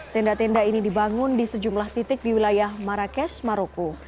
tenda tenda ini dibangun di sejumlah titik di wilayah marrakesh maroko